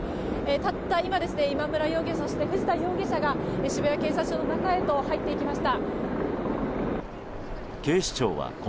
たった今、今村容疑者そして藤田容疑者が渋谷警察署の中へと入っていきました。